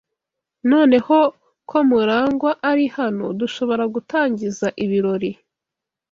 Noneho ko Murangwa ari hano, dushobora gutangiza ibirori.